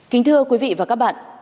kính thưa quý vị và các bạn